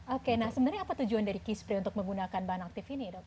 oke nah sebenarnya apa tujuan dari key spray untuk menggunakan bahan aktif ini dok